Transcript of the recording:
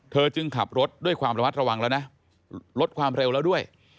จึงขับรถด้วยความระมัดระวังแล้วนะลดความเร็วแล้วด้วย